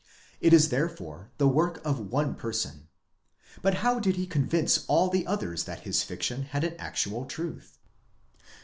It is therefore the work of one person :—but how did he con vince all the others that his fiction had an actual truth?